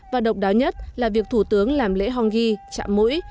và độc đáo nhất là việc thủ tướng làm lễ hongi chạm mũi